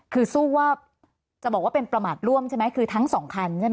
คือสู้ว่าจะบอกว่าเป็นประมาทร่วมใช่ไหมคือทั้งสองคันใช่ไหม